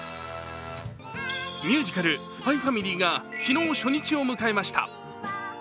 ミュージカル「ＳＰＹ×ＦＡＭＩＬＹ」が昨日初日を迎えました。